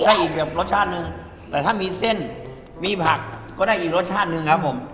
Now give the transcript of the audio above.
ใช่อีกแบบรสชาติหนึ่งแต่ถ้ามีเส้นมีผักก็ได้อีกรสชาติหนึ่งครับผม